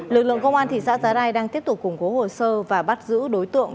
lực lượng công an thị xã giá rai đang tiếp tục củng cố hồ sơ và bắt giữ đối tượng